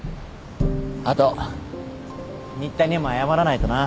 あと新田にも謝らないとな。